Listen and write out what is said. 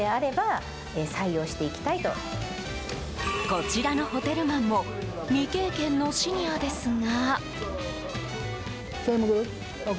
こちらのホテルマンも未経験のシニアですが。